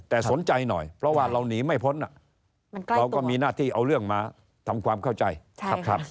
แต่สนใจหน่อยเพราะว่าเราหนีไม่พ้นเราก็มีหน้าที่เอาเรื่องมาทำความเข้าใจครับ